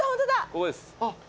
ここです。